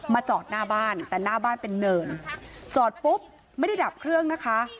จอดหน้าบ้านแต่หน้าบ้านเป็นเนินจอดปุ๊บไม่ได้ดับเครื่องนะคะ